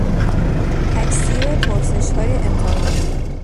تکثیر پرسشهای امتحانی